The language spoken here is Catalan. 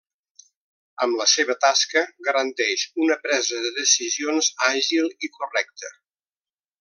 Amb la seva tasca garanteix una presa de decisions àgil i correcta.